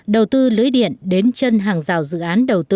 đầu tư lưới điện đến chân hàng rào dự án đầu tư